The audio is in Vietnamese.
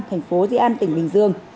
thành phố dĩ an tỉnh bình dương